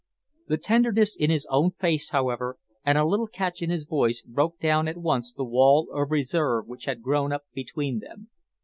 The tenderness in his own face, however, and a little catch in his voice, broke down at once the wall of reserve which had grown up between them.